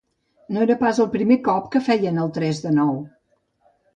No era pas el primer cop que feien el tres de nou.